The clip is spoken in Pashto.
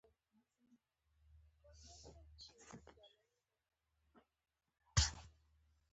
یو سل او یو اویایمه پوښتنه وارده ده.